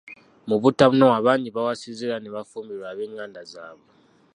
Mu butanwa bangi bawasiza era ne bafumbirwa ab'enganda zaabwe.